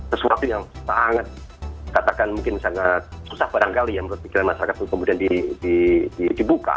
sesuatu yang sangat katakan mungkin sangat susah barangkali ya menurut pikiran masyarakat itu kemudian dibuka